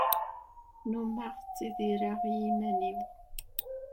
Nnummeɣ tteddreɣ i yiman-inu.